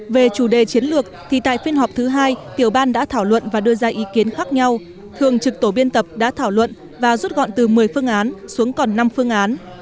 về chủ đề chiến lược thì tại phiên họp thứ hai tiểu ban đã thảo luận và đưa ra ý kiến khác nhau thường trực tổ biên tập đã thảo luận và rút gọn từ một mươi phương án xuống còn năm phương án